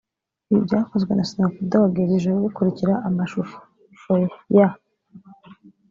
Ibi byakozwe na Snoop Dogg bije bikurikira amashusho ya